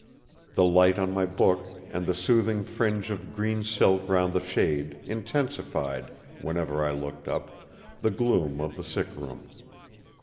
The light on my book, and the soothing fringe of green silk round the shade intensified, whenever I looked up, the gloom of the sick room.